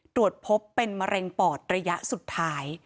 ตรวจพบเป็นมะเร็งปอดระยะสุดท้าย